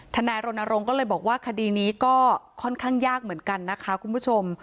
นายรณรงค์ก็เลยบอกว่าคดีนี้ก็ค่อนข้างยากเหมือนกันนะคะคุณผู้ชม